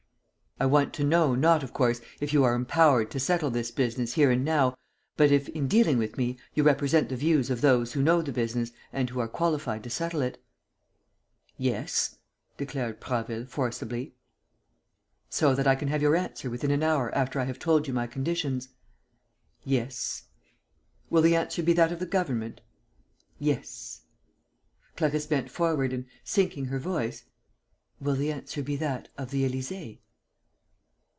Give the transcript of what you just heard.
"I want to know not, of course, if you are empowered to settle this business here and now, but if, in dealing with me, you represent the views of those who know the business and who are qualified to settle it." "Yes," declared Prasville, forcibly. "So that I can have your answer within an hour after I have told you my conditions?" "Yes." "Will the answer be that of the government?" "Yes." Clarisse bent forward and, sinking her voice: "Will the answer be that of the Élysée?"